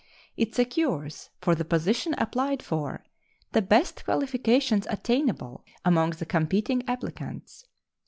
It secures for the position applied for the best qualifications attainable among the competing applicants.